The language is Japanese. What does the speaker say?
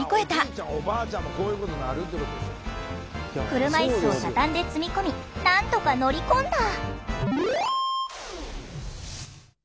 車いすを畳んで積み込みなんとか乗り込んだ。